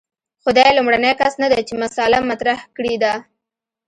خو دی لومړنی کس نه دی چې مسأله مطرح کړې ده.